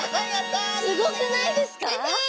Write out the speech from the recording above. すごくないですか？